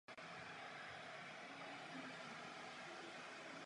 Tuto zprávu jsem samozřejmě podpořil.